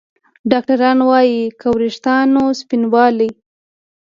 ډاکتران وايي که د ویښتانو سپینوالی